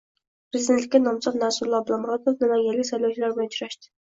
Prezidentlikka nomzod Narzullo Oblomurodov namanganlik saylovchilar bilan uchrashdi